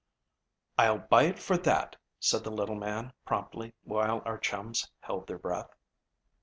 "I'll buy it for that," said the little man promptly, while our chums held their breath.